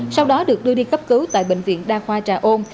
sau đó được đưa đi cấp cứu tại bệnh viện đa khoa trà ôn